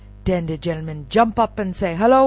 Den de genelmen jump up an' say, "Hullo!